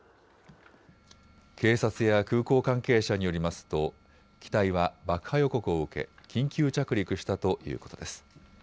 警察や空港関係者によりますと機体は爆破予告を受け緊急着陸したということです。